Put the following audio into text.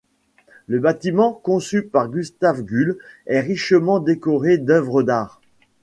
Le bâtiment, conçu par Gustav Gull, est richement décoré d'œuvres d'art.